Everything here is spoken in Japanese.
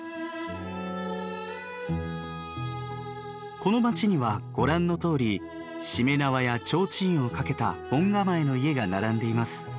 この町にはご覧のとおり注連縄や提灯をかけた門構えの家が並んでいます。